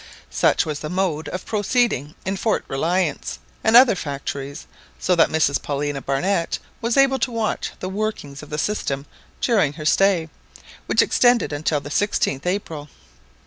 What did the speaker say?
Such was the mode of proceeding in Fort Reliance and other factories; so that Mrs Paulina Barnett was able to watch the working of the system during her stay, which extended until the 16th April.